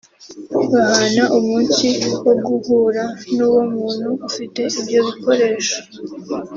bahana umunsi wo guhura n'uwo muntu ufite ibyo bikoresho